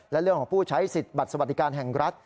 และเรื่องของผู้ใช้สิทธิ์บัตรสวัสดิการแห่งรัฐ